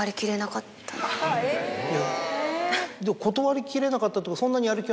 断りきれなかったって。